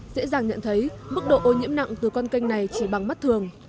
dễ dàng nhận thấy mức độ ô nhiễm nặng từ con kênh này chỉ bằng mắt thường